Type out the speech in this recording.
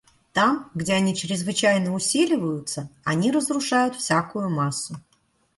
Там, где они чрезвычайно усиливаются, они разрушают всякую массу.